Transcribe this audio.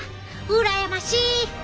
うらやましい！